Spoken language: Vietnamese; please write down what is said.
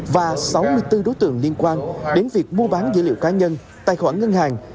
và sáu mươi bốn đối tượng liên quan đến việc mua bán dữ liệu cá nhân tài khoản ngân hàng